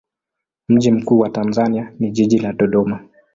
Mji mkuu wa Tanzania ni jiji la Dodoma.